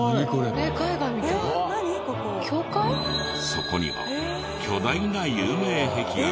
そこには巨大な有名壁画が。